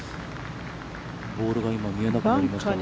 ボールが、今、見えなくなりましたが。